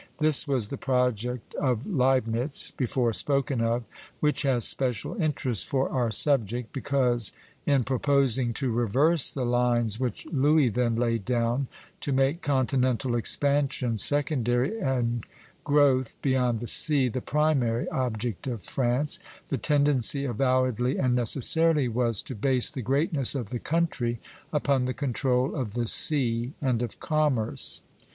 This was the project of Leibnitz, before spoken of, which has special interest for our subject because, in proposing to reverse the lines which Louis then laid down, to make continental expansion secondary and growth beyond the sea the primary object of France, the tendency avowedly and necessarily was to base the greatness of the country upon the control of the sea and of commerce.